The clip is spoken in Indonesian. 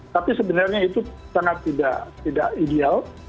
tapi sebenarnya itu sangat tidak ideal